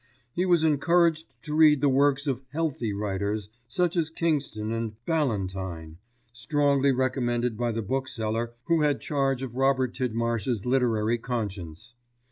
He was encouraged to read the works of "healthy" writers such as Kingston and Ballantyne, strongly recommended by the book seller who had charge of Robert Tidmarsh's literary conscience.